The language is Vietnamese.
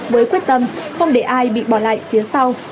với quyết tâm không để ai bị bỏ lại phía sau